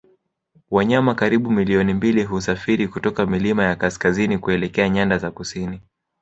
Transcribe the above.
Wanyama karibu milioni mbili husafiri kutoka milima ya kaskazini kuelekea nyanda za kusini